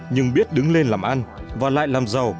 nhưng biết đứng lên làm ăn và lại làm giàu